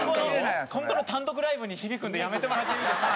今後の単独ライブに響くんでやめてもらっていいですか。